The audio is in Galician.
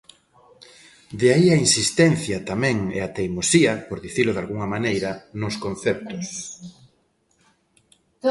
De aí a insistencia tamén e a teimosía, por dicilo dalgunha maneira, nos conceptos.